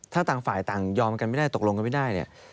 ถ้าต่างฝ่ายต่างยอมกันไม่ได้ตกลงกันไม่ได้เนี่ย